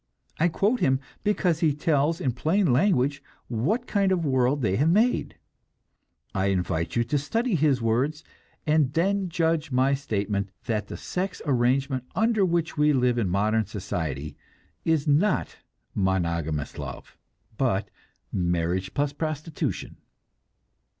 I quote him, because he tells in plain language what kind of world they have made; I invite you to study his words, and then judge my statement that the sex arrangement under which we live in modern society is not monogamous love, but marriage plus prostitution.